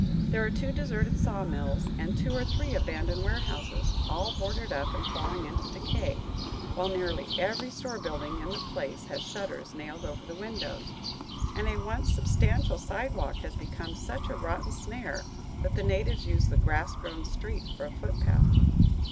There are two deserted saw mills and two or three abandoned warehouses, all boarded up and falling into decay, while nearly every store building in the place has shutters nailed over the windows, and a once substantial sidewalk has become such a rotten snare that the natives use the grass grown street for a footpath.